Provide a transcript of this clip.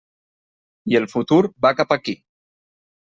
I el futur va cap aquí.